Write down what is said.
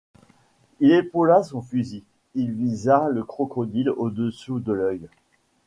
Il épaula son fusil, il visa le crocodile au-dessous de l’œil.